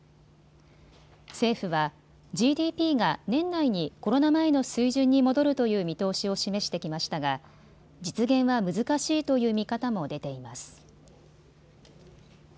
政府はＧＤＰが年内にコロナ前の水準に戻るという見通しを示してきましたが実現は難しいという見方も出ています。